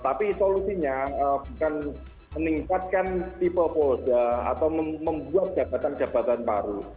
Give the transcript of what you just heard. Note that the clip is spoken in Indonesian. tapi solusinya bukan meningkatkan tipe polda atau membuat jabatan jabatan baru